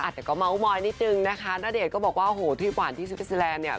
อาจจะก็เม้ามอยนิดนึงนะคะณเดชน์ก็บอกว่าโหที่หวานที่ซิฟิสแลนด์เนี่ย